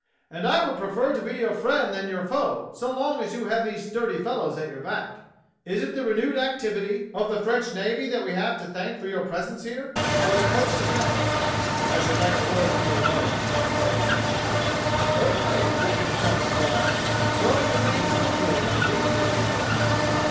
"And I would prefer to be your friend than your foe so long as you have these sturdy fellows at your back. Is it the renewed activity of the French 39 40 DOCTOR SYN navy that we have to thank for your presence here, or the coast defence?" " I should Hke a word with you alone/' said the captain. "Certainly," returned the squire, throwing the reins to a groom and leading the way to the house.